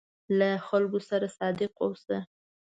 له خلکو سره صادق اوسه.